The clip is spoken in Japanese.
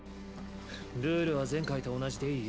ルールは「前回」と同じで良い？